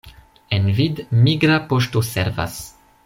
En Vid migra poŝto servas.